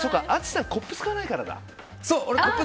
淳さん、コップ使わないからだ。